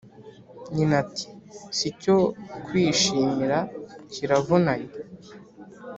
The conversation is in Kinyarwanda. nyina ati"sicyo kwishimira kiravunanye"